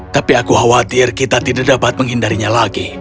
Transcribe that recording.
tapi aku khawatir kita tidak dapat menghindarinya lagi